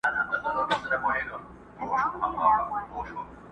په لومړۍ شپه وو خپل خدای ته ژړېدلی!.